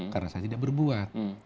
karena saya tidak berbuat